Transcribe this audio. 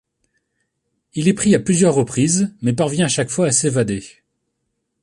Il est pris à plusieurs reprises mais parvient à chaque fois à s'évader.